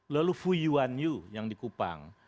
lalu fuyuan yu yang di kupang